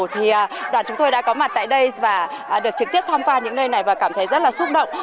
thì đoàn chúng tôi đã có mặt tại đây và được trực tiếp tham qua những nơi này và cảm thấy rất là xúc động